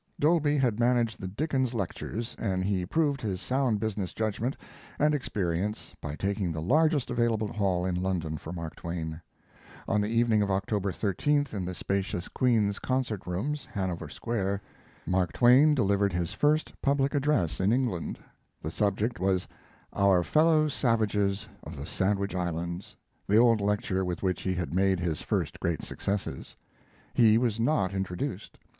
Dolby had managed the Dickens lectures, and he proved his sound business judgment and experience by taking the largest available hall in London for Mark Twain. On the evening of October 13th, in the spacious Queen's Concert Rooms, Hanover Square, Mark Twain delivered his first public address in England. The subject was "Our Fellow Savages of the Sandwich Islands," the old lecture with which he had made his first great successes. He was not introduced.